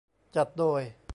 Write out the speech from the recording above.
จัดโดย